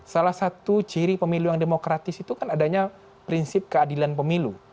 salah satu ciri pemilu yang demokratis itu kan adanya prinsip keadilan pemilu